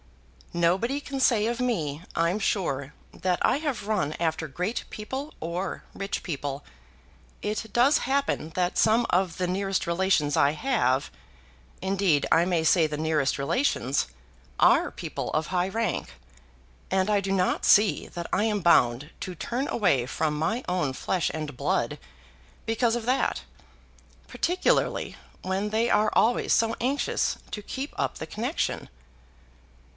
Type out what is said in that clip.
"Nobody can say of me, I'm sure, that I run after great people or rich people. It does happen that some of the nearest relations I have, indeed I may say the nearest relations, are people of high rank; and I do not see that I'm bound to turn away from my own flesh and blood because of that, particularly when they are always so anxious to keep up the connexion."